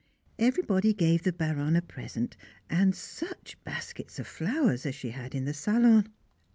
Everybody gave the Baronne a present, and such baskets of flowers as she had in the salon!